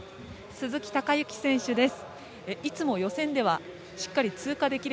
鈴木孝幸選手です。